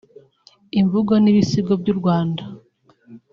imivugo n’ibisigo by’u Rwanda